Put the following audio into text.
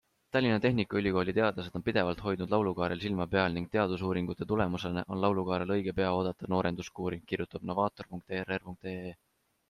Tallinna tehnikaülikooli teadlased on pidevalt hoidnud laulukaarel silma peal ning teadusuuringute tulemusena on laulukaarel õige pea oodata noorenduskuuri, kirjutab novaator.err.ee.